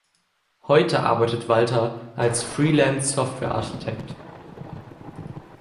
Heute arbeitet Walther als Freelance-Softwarearchitekt.